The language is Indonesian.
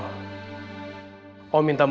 maaf atas suasana yang tidak menyenangkan ini